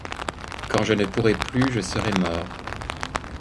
Quand je ne pourrai plus, je serai mort.